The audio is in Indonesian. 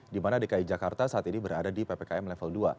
di mana dki jakarta saat ini berada di ppkm level dua